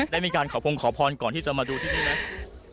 ได้มีการขอพงขอพรก่อนที่จะมาดูที่นี่ไหม